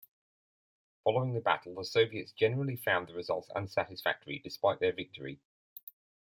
Following the battle, the Soviets generally found the results unsatisfactory, despite their victory.